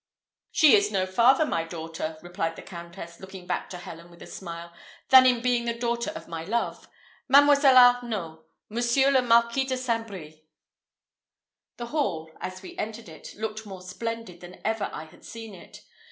"She is no farther my daughter," replied the Countess, looking back to Helen with a smile, "than in being the daughter of my love. Mademoiselle Arnault, Monsieur le Marquis de St. Brie!" The hall, as we entered it, looked more splendid than ever I had seen it.